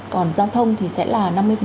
còn giao thông thì sẽ là năm mươi